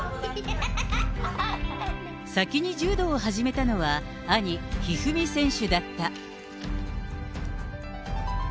先に柔道を始めたのは、兄、一二三選手だった。